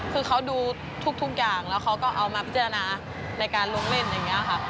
คือเขาดูทุกอย่างแล้วเขาก็เอามาพิจารณาในการลงเล่นอย่างนี้ค่ะ